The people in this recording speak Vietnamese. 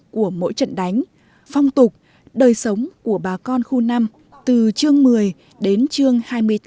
của mỗi trận đánh phong tục đời sống của bà con khu năm từ chương một mươi đến chương hai mươi tám